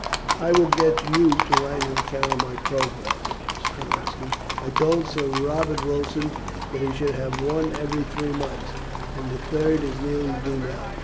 "I will get you to write an account of my progress, Strelinski. I told Sir Robert Wilson that he should have one every three months, and the third is nearly due now.